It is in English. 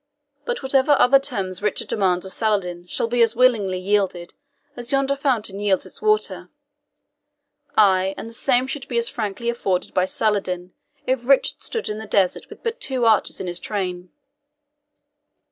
But whatever other terms Richard demands of Saladin shall be as willingly yielded as yonder fountain yields its waters. Ay and the same should be as frankly afforded by Saladin if Richard stood in the desert with but two archers in his train!"